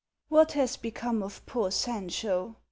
"What has become of poor Sancho